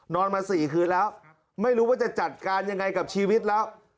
มา๔คืนแล้วไม่รู้ว่าจะจัดการยังไงกับชีวิตแล้ว